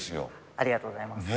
ありがとうございます。